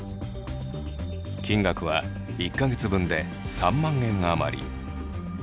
金額は１か月分で３万円余り。